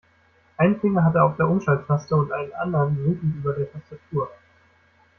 Einen Finger hat er auf der Umschalttaste und einen anderen suchend über der Tastatur.